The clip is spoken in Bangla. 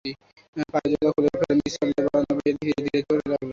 পায়ের জুতো খুলে ফেলে নীচের তলায় বারান্দা বেয়ে ধীরে ধীরে চলতে লাগল।